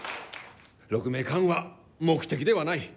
鹿鳴館は目的ではない。